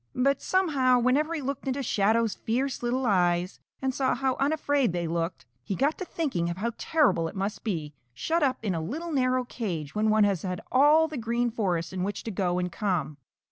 But somehow, whenever he looked into Shadow's fierce little eyes and saw how unafraid they looked, he got to thinking of how terrible it must be to be shut up in a little narrow cage when one has had all the Green Forest in which to go and come.